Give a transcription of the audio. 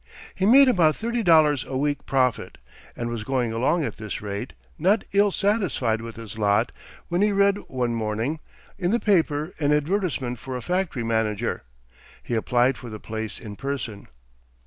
He made about thirty dollars a week profit, and was going along at this rate, not ill satisfied with his lot, when he read one morning in the paper an advertisement for a factory manager. He applied for the place in person.